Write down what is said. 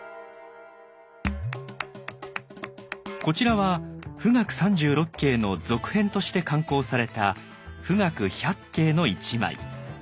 こちらは「冨嶽三十六景」の続編として刊行された「富嶽百景」の一枚。